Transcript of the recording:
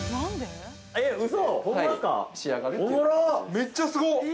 ◆めっちゃすご。